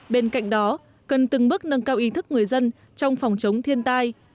bên cạnh đó cần từng bước nâng cao ý thức người dân trong phòng chống thiên tai